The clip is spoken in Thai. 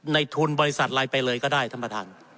ในทุนบริษัทอะไรไปเลยก็ได้ท่านประธาน